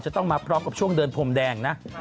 จะต้องมาพร้อมช่วงเดินพรมแดงครับ